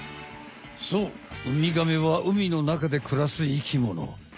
そうウミガメは海の中でくらす生きもの。